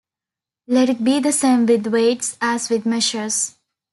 Let it be the same with weights as with measures.